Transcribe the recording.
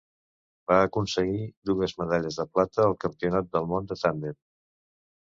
Va aconseguir dues medalles de plata al Campionat del món de tàndem.